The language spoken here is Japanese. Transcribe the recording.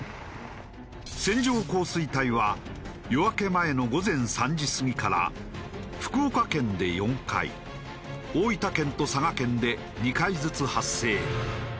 線状降水帯は夜明け前の午前３時過ぎから福岡県で４回大分県と佐賀県で２回ずつ発生。